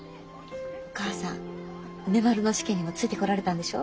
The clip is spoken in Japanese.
お母さん梅丸の試験にもついてこられたんでしょ？